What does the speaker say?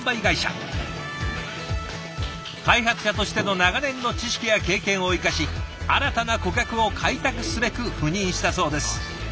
開発者としての長年の知識や経験を生かし新たな顧客を開拓すべく赴任したそうです。